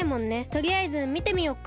とりあえずみてみようか。